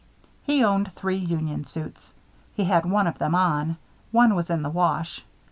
He owned three union suits. He had one of them on. One was in the wash.